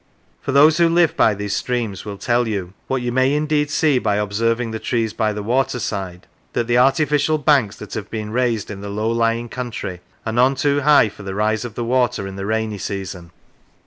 For those who live by these streams will tell you, what you may indeed see by observing the trees by the waterside, that the artificial banks that have been raised in the low lying country are none too high for the rise of the water in the rainy season.